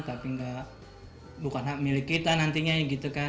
tapi bukan hak milik kita nantinya gitu kan